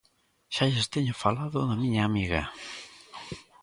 Xa lles teño falado da miña amiga.